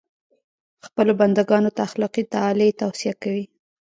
خپلو بنده ګانو ته اخلاقي تعالي توصیه کوي.